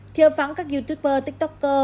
thiêu phóng các youtuber tiktoker